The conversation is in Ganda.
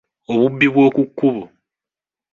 Obubi bw’oku kkubo.